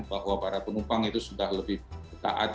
bahwa para penumpang itu sudah lebih taat